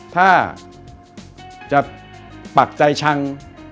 ถ้าจะปักใจชัง